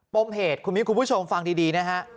มเหตุคุณมิ้นคุณผู้ชมฟังดีนะฮะ